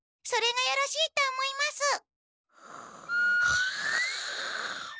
それがよろしいと思います。